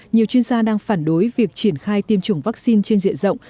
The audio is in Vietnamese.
nhiều chuyên gia đang phản đối việc triển khai tiêm chủng vaccine trên diện rộng